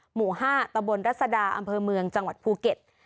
หมู่๕ตะบนรัศดาอำเภอเมืองจังหวัดภูเก็ต